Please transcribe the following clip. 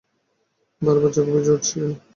বারবার চোখ ভিজে উঠছে কেন?